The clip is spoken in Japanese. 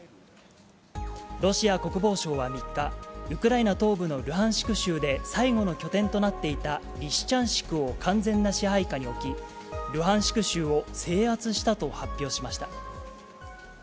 ロシア国防省は３日、ウクライナ東部のルハンシク州で最後の拠点となっていたリシチャンシクを完全な支配下に置き、ルハンシク州を制圧したと発表しました。